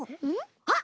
あっ！